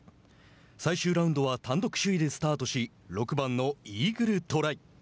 最終ラウンドは単独首位でスタートし６番のイーグルトライ。